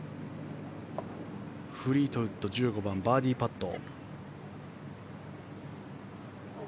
フリートウッド１５番、バーディーパット。